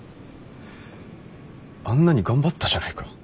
あんなに頑張ったじゃないか。